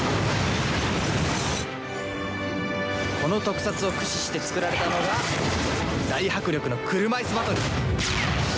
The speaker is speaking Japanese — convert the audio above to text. この特撮を駆使して作られたのが大迫力の車いすバトル。